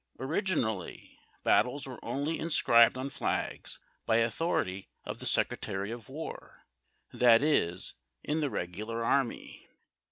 Originally battles were only inscribed on flags by authority of the secretary of war, that is, in the regular army.